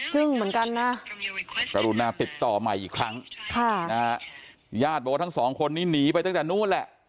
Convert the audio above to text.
เหมือนกันนะกรุณาติดต่อใหม่อีกครั้งค่ะนะฮะญาติบอกว่าทั้งสองคนนี้หนีไปตั้งแต่นู้นแหละ